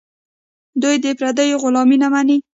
دوی د پردیو غلامي نه مني.